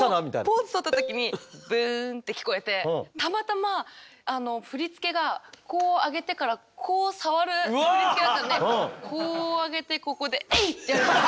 ポーズとった時にブーンって聞こえてたまたま振り付けがこう上げてからこう触る振り付けだったんでこう上げてここでエイ！